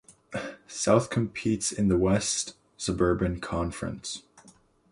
South competes in the West Suburban Conference.